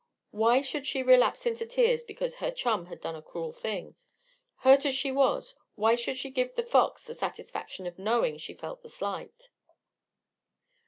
Why should she relapse into tears because her chum had done a cruel thing? Hurt as she was, why should she give The Fox the satisfaction of knowing she felt the slight?